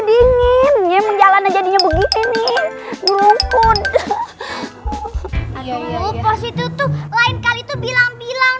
dingin ya menjalani jadinya begitu nih berumpun aduh positif tuh lain kali tuh bilang bilang